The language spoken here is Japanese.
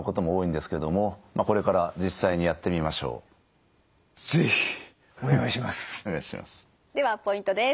ではポイントです。